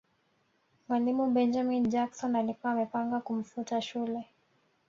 mwalimu benjamin jackson alikuwa amepanga kumfuta shule